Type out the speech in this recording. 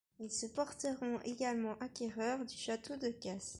Ils se porteront également acquéreurs du château de Cas.